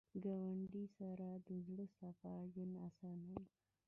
ګاونډي سره د زړه صفا ژوند اسانوي